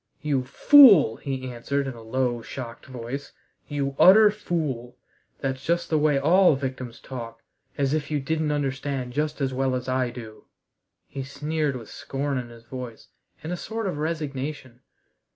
"You fool!" he answered in a low, shocked voice, "you utter fool. That's just the way all victims talk. As if you didn't understand just as well as I do!" he sneered with scorn in his voice, and a sort of resignation.